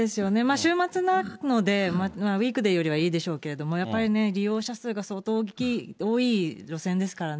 週末なので、ウィークデーよりはいいでしょうけども、やっぱりね、利用者数が相当多い路線ですからね。